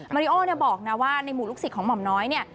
ริโอเนี่ยบอกนะว่าในหมู่ลูกศิษย์ของหม่อมน้อยเนี่ย